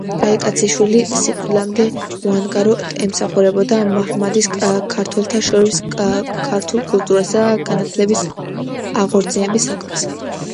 კაიკაციშვილი სიკვდილამდე უანგაროდ ემსახურებოდა მაჰმადიან ქართველთა შორის ქართული კულტურისა და განათლების აღორძინების საქმეს.